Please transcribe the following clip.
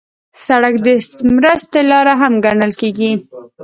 سړک د مرستې لاره هم ګڼل کېږي.